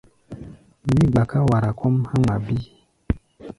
Mí gbaká wara kɔ́ʼm há̧ ŋma bíí.